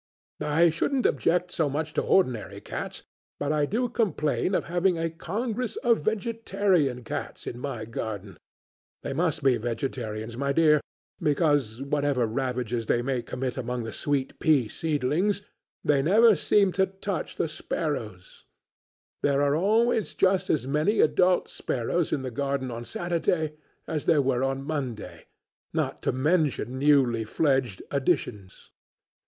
I shouldn't object so much to ordinary cats, but I do complain of having a congress of vegetarian cats in my garden; they must be vegetarians, my dear, because, whatever ravages they may commit among the sweet pea seedlings, they never seem to touch the sparrows; there are always just as many adult sparrows in the garden on Saturday as there were on Monday, not to mention newly fledged additions.